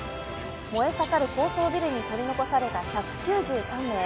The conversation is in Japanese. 燃え盛る高層ビルに取り残された１９３名。